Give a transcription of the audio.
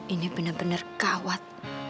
ini bener bener kawat